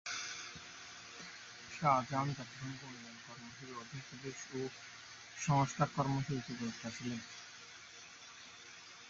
শাহজাহান জাতিসংঘ উন্নয়ন কর্মসূচীর অধীন পুলিশ সংস্কার কর্মসূচিতে উপদেষ্টা ছিলেন।